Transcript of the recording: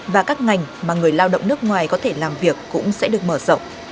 và các ngành mà người lao động nước ngoài có thể làm việc cũng sẽ được mở rộng